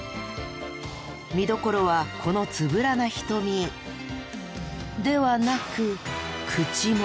見どころはこのつぶらな瞳ではなく口元。